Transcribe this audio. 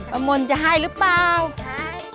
มนต์จะให้หรือเปล่าให้